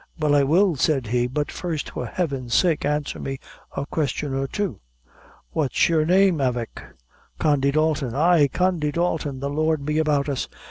"Well, I will," said he; "but first, for Heaven's sake, answer me a question or two. What's your name, avick?" "Condy Dalton." "Ay, Condy Dalton! the Lord be about us!